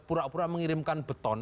pura pura mengirimkan beton